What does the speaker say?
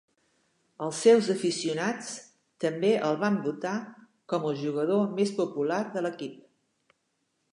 Els seus aficionats també el van votar com el jugador més popular de l'equip.